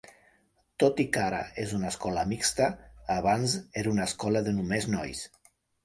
Tot i que ara és una escola mixta, abans era una escola de només nois.